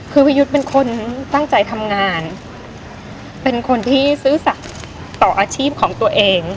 คือพี่ยุทธ์เป็นคนตั้งใจทำงานเป็นคนที่ซื่อสัตว์ต่ออาชีพของตัวเอง